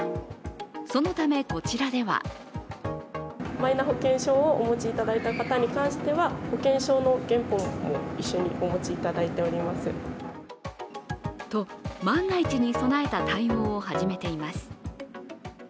そのため、こちらではと、万が一に備えた対応を始めています。